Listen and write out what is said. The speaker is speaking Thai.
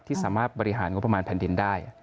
สามารถบริหารงบประมาณแผ่นดินได้